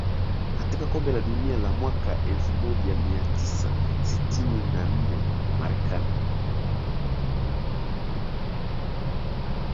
Katika Kombe la Dunia la mwaka elfu moja mia tisa tisini na nne Marekani